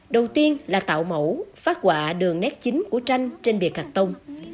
đầu tiên là tạo mẫu phát quả đường nét chính của tranh trên bề cà tông